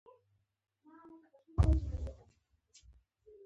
د لومړۍ شپې پر مهال مې تر بستر لاندې کړې وه.